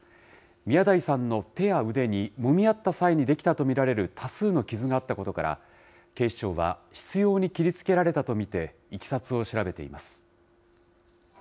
宮台さんの手や腕に、もみ合った際に出来たと見られる多数の傷があったことから、警視庁は執ように切りつけられたと見て、いきさつを調べています。